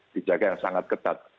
dijaga yang sangat ketat